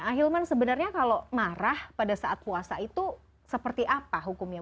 ahilman sebenarnya kalau marah pada saat puasa itu seperti apa hukumnya